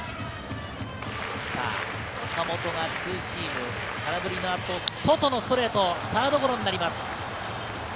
岡本がツーシーム空振りの後、外のストレート、サードゴロになります。